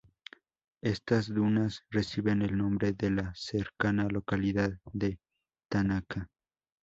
Estas dunas reciben el nombre de la cercana localidad de Tanaka.